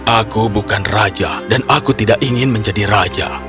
aku bukan raja dan aku tidak ingin menjadi raja